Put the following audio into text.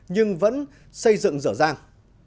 nhưng vẫn xây dựng dở dàng